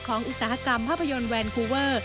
อุตสาหกรรมภาพยนตร์แวนคูเวอร์